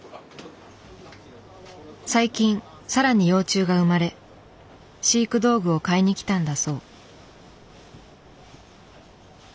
最近さらに幼虫が生まれ飼育道具を買いに来たんだそう。